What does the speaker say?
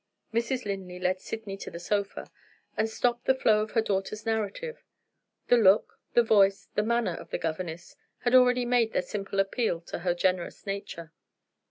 Mrs. Linley led Sydney to the sofa, and stopped the flow of her daughter's narrative. The look, the voice, the manner of the governess had already made their simple appeal to her generous nature.